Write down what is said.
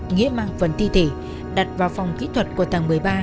nghĩa mang phần thi thể đặt vào phòng kỹ thuật của tầng một mươi ba